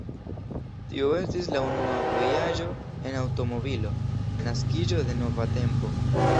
Tio estis la unua vojaĝo en aŭtomobilo, naskiĝo de nova tempo.